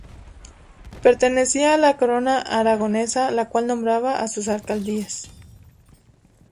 Pertenecía a la Corona Aragonesa, la cual nombraba a sus alcaides.